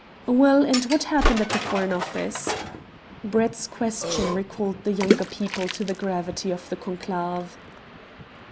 "Well, and what happened at the Foreign Office?" Brett's question recalled the younger people to the gravity of the conclave.